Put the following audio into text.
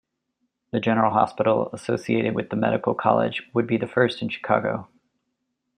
The general hospital associated with the medical college would be the first in Chicago.